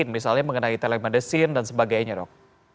misalnya mengenai telemedicine dan sebagainya dok